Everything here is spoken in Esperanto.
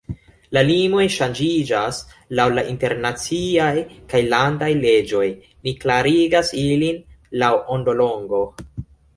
La limoj ŝanĝiĝas laŭ la internaciaj kaj landaj leĝoj, ni klarigas ilin laŭ ondolongo.